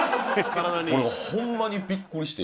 俺ホンマにビックリして。